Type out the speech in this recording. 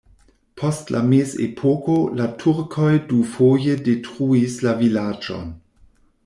Post la mezepoko la turkoj dufoje detruis la vilaĝon.